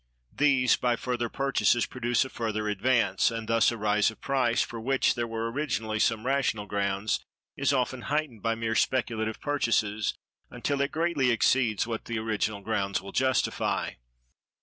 These, by further purchases, produce a further advance, and thus a rise of price, for which there were originally some rational grounds, is often heightened by merely speculative purchases, until it greatly exceeds what the original grounds will justify.